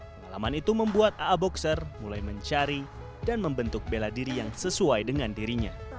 pengalaman itu membuat aa boxer mulai mencari dan membentuk bela diri yang sesuai dengan dirinya